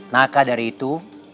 maka dari itu